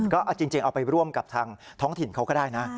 ก็เอาจริงเอาไปร่วมกับทางท้องถิ่นเขาก็ได้นะ